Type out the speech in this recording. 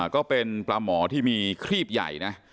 ก็เป็นปลาหมอที่มีครีบใหญ่นะ